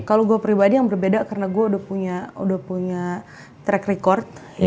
kalau gue pribadi yang berbeda karena gue udah punya track record